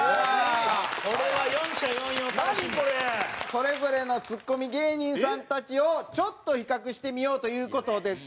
それぞれのツッコミ芸人さんたちをちょっと比較してみようという事です。